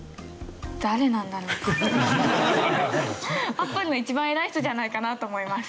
Ａｐｐｌｅの一番偉い人じゃないかなと思います。